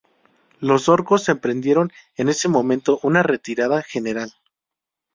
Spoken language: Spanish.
Los orcos emprendieron en ese momento una retirada general.